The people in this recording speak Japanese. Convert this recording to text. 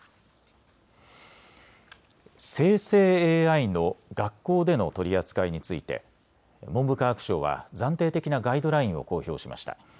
生成ＡＩの学校での取り扱いについて文部科学省は暫定的なガイドラインを公表しました。